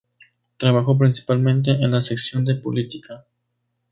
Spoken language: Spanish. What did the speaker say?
Trabajó principalmente en la sección de política.